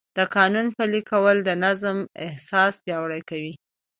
د قانون پلي کول د نظم احساس پیاوړی کوي.